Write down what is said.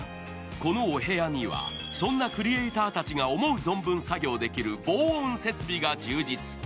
このお部屋にはそんなクリエーターたちが思う存分作業できる、防音設備が充実。